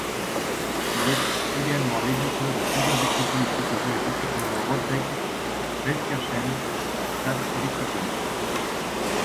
Il est également l'éditeur de plusieurs écrits politiques et juridiques dont le Rotteck-Welckerschen Staatslexikons.